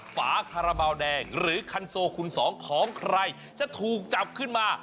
ฝาคาราบาลแดงหรือคันโซคุณสองของใครจะถูกจับขึ้นมา